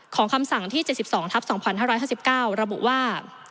คำสั่งที่๗๒ทับ๒๕๕๙ระบุว่า